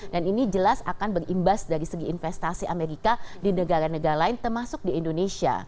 dan ini jelas akan berimbas dari segi investasi amerika di negara negara lain termasuk di indonesia